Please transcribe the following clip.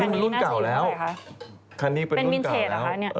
นี่มันรุ่นเก่าแล้วคันนี้เป็นรุ่นเก่าแล้ว